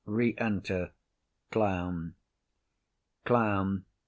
Enter Clown. CLOWN.